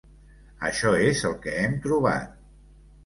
Això és el que hem trobat.